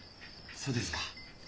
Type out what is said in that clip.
そうですか。